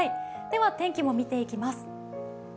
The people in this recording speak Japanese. では天気も見ていきます。